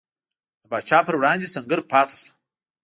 د پاچا پر وړاندې سنګر پاتې شو.